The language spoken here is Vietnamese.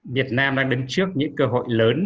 việt nam đang đứng trước những cơ hội lớn